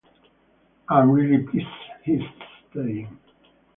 I'm really pleased he is staying.